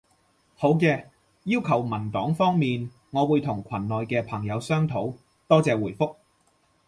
好嘅，要求文檔方面，我會同群內嘅朋友商討。多謝回覆